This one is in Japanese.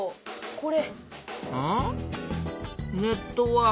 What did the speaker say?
これ。